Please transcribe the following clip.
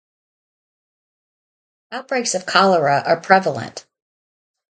Outbreaks of cholera are prevalent.